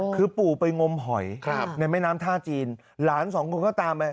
คือปู่ไปงมหอยในแม่น้ำท่าจีนหลานสองคนก็ตามไป